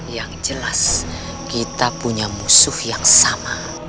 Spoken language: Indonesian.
yang jelas kita punya musuh yang sama